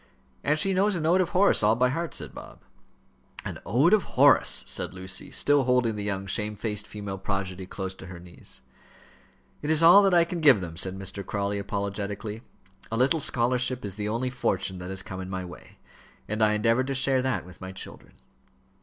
"And she knows an ode of Horace all by heart," said Bob. "An ode of Horace!" said Lucy, still holding the young shamefaced female prodigy close to her knees. "It is all that I can give them," said Mr. Crawley, apologetically. "A little scholarship is the only fortune that has come in my way, and I endeavour to share that with my children."